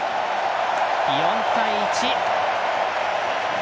４対１。